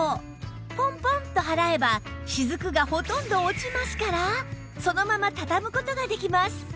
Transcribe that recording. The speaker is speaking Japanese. ポンポンと払えば滴がほとんど落ちますからそのまま畳む事ができます